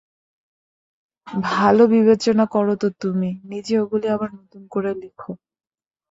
ভাল বিবেচনা কর তো তুমি নিজে ওগুলি আবার নতুন করে লেখ।